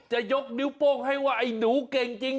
จะยกนิ้วโป้งให้ว่าไอ้หนูเก่งจริง